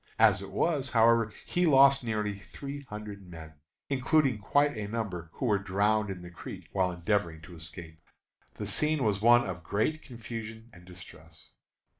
As it was, however, he lost nearly three hundred men, including quite a number who were drowned in the creek while endeavoring to escape. The scene was one of great confusion and distress.